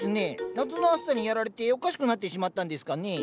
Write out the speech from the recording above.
夏の暑さにやられておかしくなってしまったんですかね。